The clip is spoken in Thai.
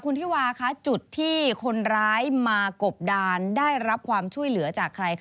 คุณธิวาคะจุดที่คนร้ายมากบดานได้รับความช่วยเหลือจากใครคะ